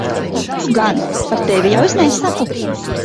Tu gan. Par tevi jau es nesaku.